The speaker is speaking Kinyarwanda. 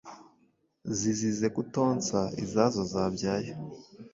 zizize kutonsa izazo zabyaye